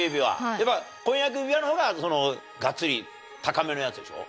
やっぱ婚約指輪の方ががっつり高めのやつでしょ？